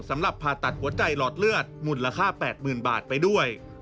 สำหรับผ่าตัดหัวใจหลอดเลือดหมุนราคา๘๐๐๐๐บาทไปด้วย